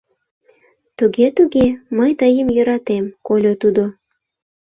— Туге, туге, мый тыйым йӧратем, — кольо тудо.